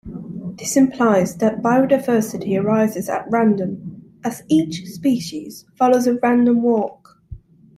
This implies that biodiversity arises at random, as each species follows a random walk.